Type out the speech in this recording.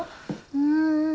うん。